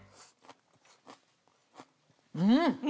うん！